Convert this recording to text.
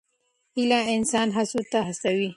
هیله انسان هڅو ته هڅوي.